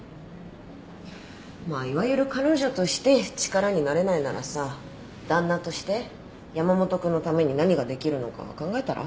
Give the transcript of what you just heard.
まあいわゆる彼女として力になれないならさ旦那として山本君のために何ができるのか考えたら？